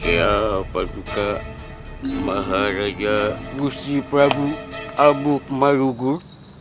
saya paduka maha raja gusti prabu abu malugur